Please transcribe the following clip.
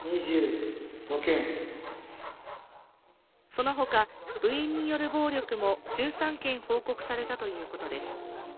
その他、部員による暴力も１３件報告されたということです。